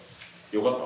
よかった？